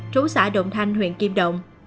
trú xã động thanh huyện kim động